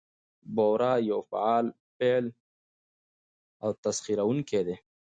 بورا يو فعال فاعل او تسخيروونکى دى؛